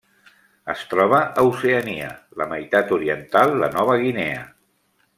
Es troba a Oceania: la meitat oriental de Nova Guinea.